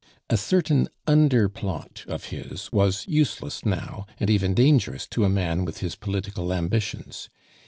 A certain under plot of his was useless now, and even dangerous to a man with his political ambitions.